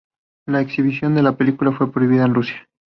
La exhibición de la película fue prohibida en Rusia.